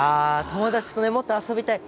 友達ともっと遊びたい。